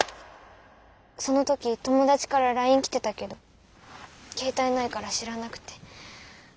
その時友達からライン来てたけど携帯ないから知らなくて。